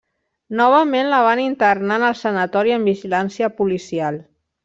Novament la van internar en el sanatori amb vigilància policial.